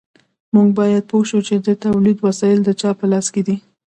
موږ باید پوه شو چې د تولید وسایل د چا په لاس کې دي.